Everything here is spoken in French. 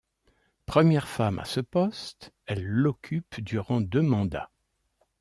Première femme à ce poste, elle l’occupe durant deux mandats.